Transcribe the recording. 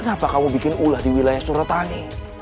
apa kamu bikin ulah di wilayah suratani